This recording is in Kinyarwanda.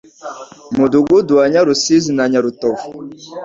Mudugudu wa Nyarusiza na Nyarutovu